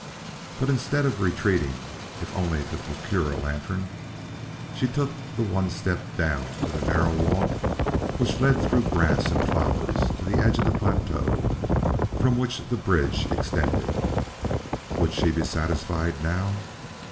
But instead of retreating, if only to procure a lantern, she took the one step down to the narrow walk which led through grass and flowers to the edge of the plateau from which the bridge extended. Would she be satisfied now?